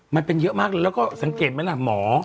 มันเป็นเยอะมากเลยแล้วก็สังเกตไหมล่ะหมอ